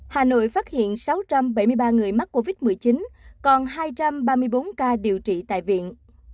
hà nội phát hiện sáu trăm bảy mươi ba người mắc covid một mươi chín còn hai trăm ba mươi bốn ca điều trị tại viện